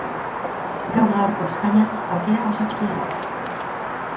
Gaur gaurkoz, baina, aukera oso txikia da.